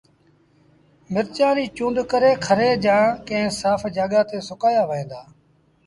مرچآݩ ريٚ چُونڊ ڪري کري جآݩ ڪݩهݩ سآڦ جآڳآ تي سُڪآيآ وهن دآ